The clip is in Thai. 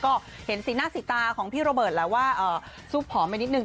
ก็เห็นสีหน้าสีตาของพี่โรเบิร์ตแล้วว่าซูบผอมไปนิดนึง